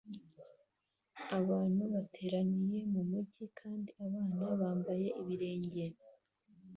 Abantu bateraniye mumujyi kandi abana bambaye ibirenge